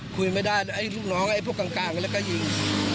คุยไม่ได้ลูกน้องพวกกลางแล้วก็ยิง